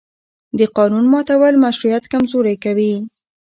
د قانون ماتول مشروعیت کمزوری کوي